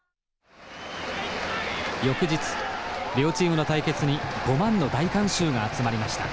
翌日両チームの対決に５万の大観衆が集まりました。